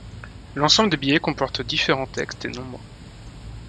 L'ensemble des billets comportent différents textes et nombres.